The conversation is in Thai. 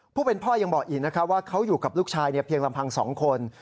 ผู้เป็นพ่อยังบอกอีกนะครับว่าเขาอยู่กับลูกชายเพียงลำพัง๒คน